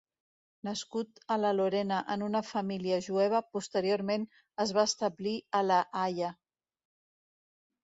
Nascut a la Lorena en una família jueva, posteriorment es va establir a la Haia.